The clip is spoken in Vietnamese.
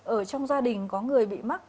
ở trong gia đình có người bị mắc